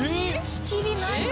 仕切りないの？